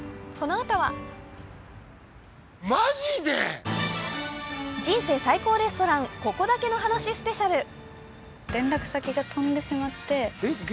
このあとは「人生最高レストランここだけの話スペシャル！」。